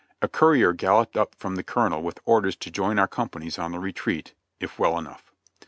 A courier galloped up from the colonel with orders to join our companies on the retreat, if well enough.